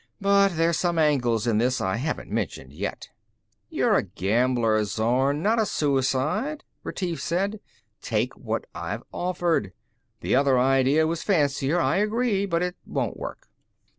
"But there's some angles to this I haven't mentioned yet." "You're a gambler, Zorn, not a suicide," Retief said. "Take what I've offered. The other idea was fancier, I agree, but it won't work."